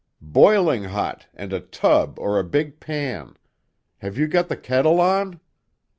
"Boiling hot, and a tub or a big pan. Have you got the kettle on?"